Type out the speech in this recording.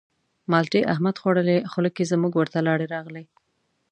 مالټې احمد خوړلې خوله کې زموږ ورته لاړې راغلې.